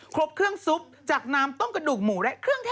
ครบเครื่องซุปจากน้ำต้มกระดูกหมูและเครื่องเท